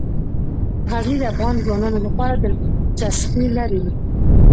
غزني د افغان ځوانانو لپاره دلچسپي لري.